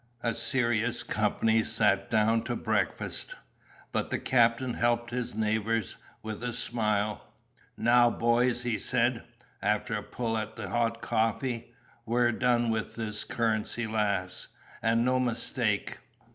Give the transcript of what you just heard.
A serious company sat down to breakfast; but the captain helped his neighbours with a smile. "Now, boys," he said, after a pull at the hot coffee, "we're done with this Currency Lass, and no mistake.